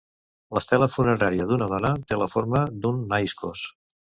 L'estela funerària d'una dona té la forma d'un naiskos.